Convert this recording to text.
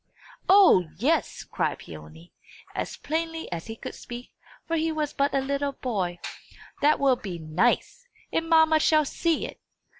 "O, yes!" cried Peony, as plainly as he could speak, for he was but a little boy. "That will be nice! And mamma shall see it!"